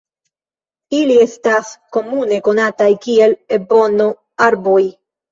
Ili estas komune konataj kiel ebono-arboj.